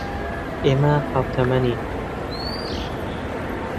ئێمە ھاوتەمەنین.